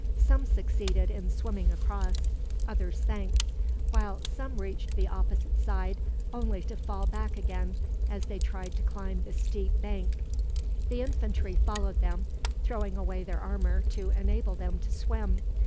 Some succeeded in swimming across. Others sank; while some reached the opposite side, only to fall back again, as they tried to climb the steep bank. The infantry followed them, throwing away their armor to enable them to swim.